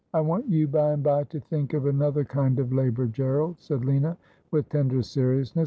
'I want you by and by to think of another kind of labour, Gerald,' said Lina, with tender seriousness.